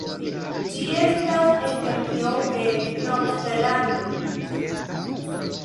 Ĝi estas endemio de Novzelando.